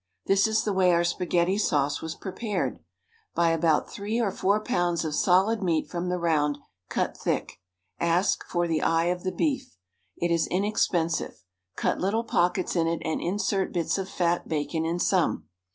This is the way our spaghetti sauce was prepared. Buy about three or four pounds of solid meat from the round, cut thick. Ask for the "eye of the beef." It is inex pensive. Cut little pockets in it and insert bits of fat bacon in some.